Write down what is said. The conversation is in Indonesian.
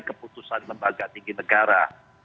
keputusan lembaga tinggi negara